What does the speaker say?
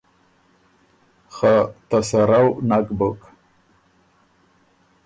خه ته سرؤ نک بُک۔